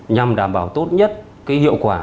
nhằm đảm bảo tốt nhất cái hiệu quả